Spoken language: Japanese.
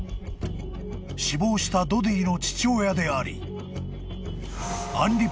［死亡したドディの父親であり］